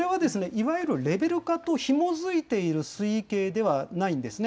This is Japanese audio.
これはいわゆるレベル化とひも付いている水位計ではないんですね。